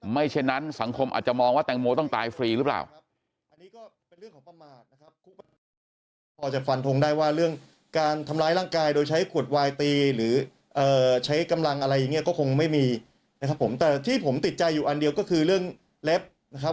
เช่นนั้นสังคมอาจจะมองว่าแตงโมต้องตายฟรีหรือเปล่า